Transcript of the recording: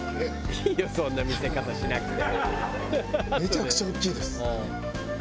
「いいよそんな見せ方しなくて」